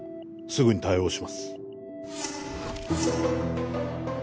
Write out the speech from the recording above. すぐに対応します